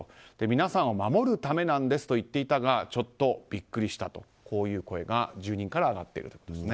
皆さんを守るためだと言っていたがちょっとビックリしたとこういう声が住人から上がっているんです。